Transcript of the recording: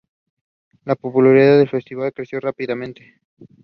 The lagoon and surroundings are in Campeche State of Mexico.